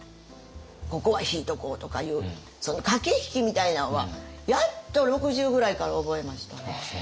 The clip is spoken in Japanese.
ここは引いとこうとかいうその駆け引きみたいなんはやっと６０ぐらいから覚えましたね。